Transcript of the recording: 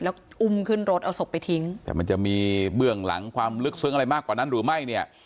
แล้วอุ้มขึ้นรถเอาศพไปทิ้งแต่มันจะมีเบื้องหลังความลึกซึ้งอะไรมากกว่านั้นหรือไม่เนี่ย